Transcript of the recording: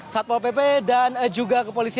satpol pp dan juga kepolisian